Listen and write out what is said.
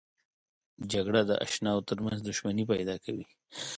جګړه د اشناو ترمنځ دښمني پیدا کوي